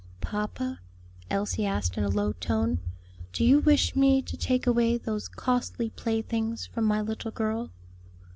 "Papa," Elsie asked in a low tone, "do you wish me to take away those costly playthings from my little girl?"